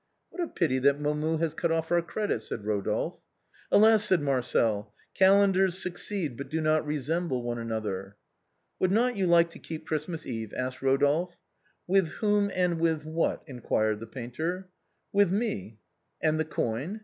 " What a pity that Momus has cut off our credit," said Eodolphe. "Alas," said Marcel; "calendars succeed but do not resemble one another." " Would not you like to keep Christmas Eve ?" asked Rodolphe. " With whom and with what ?" inquired the painter. " With me." "And the coin?"